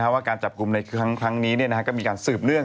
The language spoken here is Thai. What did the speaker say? ว่าการจับกลุ่มในครั้งนี้ก็มีการสืบเนื่อง